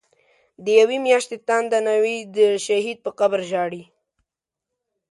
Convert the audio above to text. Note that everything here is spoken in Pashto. دیوی میاشتی تانده ناوی، د شهید په قبر ژاړی